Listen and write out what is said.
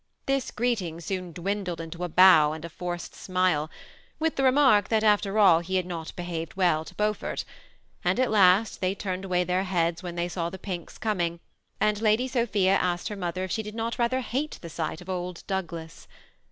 This greeting soon dwindled into a bow and a forced smile, with the remark that after . all he had not behaved well to Beaufort; and at last fhey turned away their heads when they saw the Finks IS 266 THE BEMI ATTACHED COUPLE. coming, and Ladj Sophia asked her mother if she did not rather hate the sight of old Douglas.